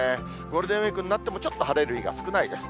ゴールデンウィークになっても、ちょっと晴れる日が少ないです。